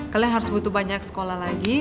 kalian harus butuh banyak sekolah lagi